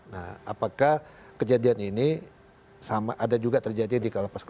nah apakah kejadian ini ada juga terjadi di kelompok